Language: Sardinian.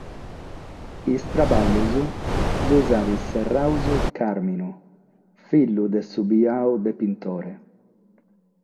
Sos traballos los at serrados Càrminu, fìgiu de su biadu de Pintore.